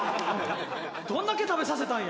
どんだけ食べさせたんや？